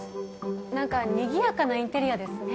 何かにぎやかなインテリアですね